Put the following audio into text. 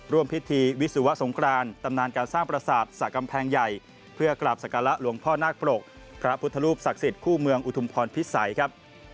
ร่วมพิธีวิศวะสงครานตำนานการสร้างประสาทสะกำแพงใหญ่เพื่อกราบสการะหลวงพ่อนาคปรกพระพุทธรูปศักดิ์สิทธิ์คู่เมืองอุทุมพรพิสัยครับ